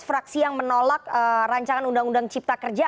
fraksi yang menolak rancangan undang undang cipta kerja